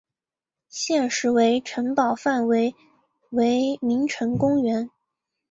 现时为城堡范围为名城公园。